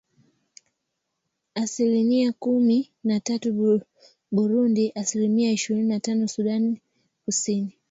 asilinia kumi na tatu Burundi asilimia ishirini na tano Sudan Kusini